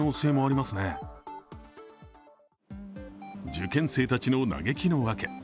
受験生たちの嘆きの訳。